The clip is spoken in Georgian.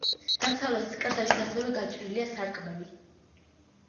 დასავლეთის კედელში ასევე გაჭრილია სარკმელი.